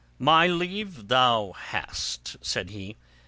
"My leave thou hast," said he.